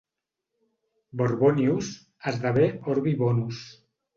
«Borbonius» esdevé «orbi bonus».